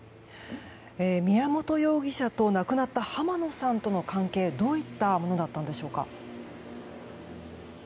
宮本容疑者と亡くなった浜野さんとの関係はどういったものだったんでしょうか。